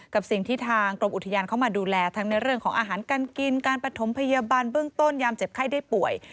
กับสิ่งที่ทางกรมอุทยานเข้ามาดูแลทั้งในเรื่องของอาหารการกินการปฐมพยาบาลเบื้องต้นยามเจ็บไข้ได้ป่วย